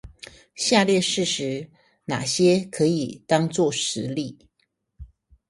下列事實，那些可以當作實例？